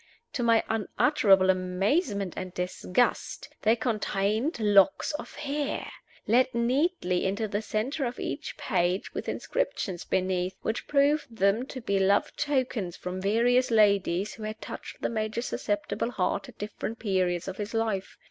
To my unutterable amazement and disgust, they contained locks of hair, let neatly into the center of each page, with inscriptions beneath, which proved them to be love tokens from various ladies who had touched the Major's susceptible heart at different periods of his life.